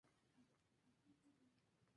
Nota breve sobre la obra de Mauricio Reina.